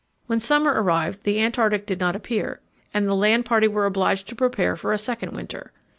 When summer arrived the Antarctic did not appear, and the land party were obliged to prepare for a second winter.